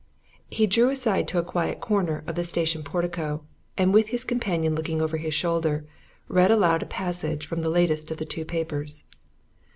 He drew aside to a quiet corner of the station portico, and with his companion looking over his shoulder, read aloud a passage from the latest of the two papers.